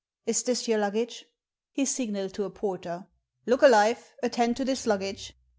"Is this your luggage?" He signalled to a porter. "Look alive, attend to this luggage."